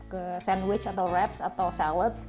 ke sandwich atau wraps atau salad